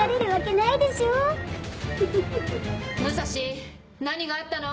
武蔵何があったの？